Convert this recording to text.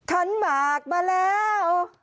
คันหมากมาแล้ว